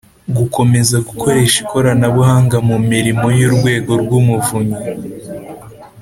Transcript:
gukomeza gukoresha ikoranabuhanga mu mirimo y’urwego rw’umuvunyi: